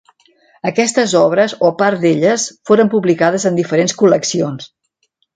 Aquestes obres, o part d'elles, foren publicades en diferents col·leccions.